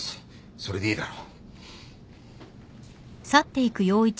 それでいいだろ？